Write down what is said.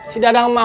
sida dang mak